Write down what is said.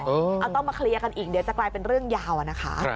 เอาต้องมาเคลียร์กันอีกเดี๋ยวจะกลายเป็นเรื่องยาวอะนะคะ